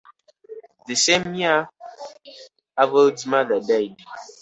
The same year, Alvord's mother died.